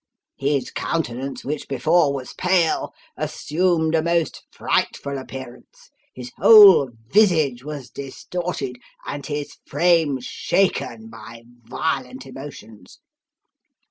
His countenance, which before was pale, assumed a most frightful appearance ; his whole visage was distorted, and his frame shaken by violent emotions.